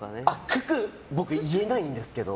九九、僕、言えないんですけど。